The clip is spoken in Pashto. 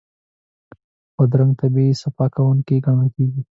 بادرنګ طبعي صفا کوونکی ګڼل کېږي.